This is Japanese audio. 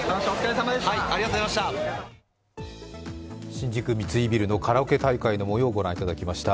新宿三井ビルのカラオケ大会のもようをお伝えいたしました。